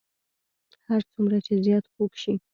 هر څومره چې زیات خوږ شي.